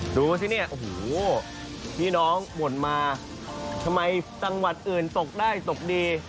ดูสิเนี่ยโอ้โหพี่น้องบ่นมาทำไมจังหวัดอื่นตกได้ตกดี